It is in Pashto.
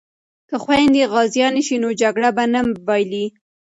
که خویندې غازیانې شي نو جګړه به نه بایلي.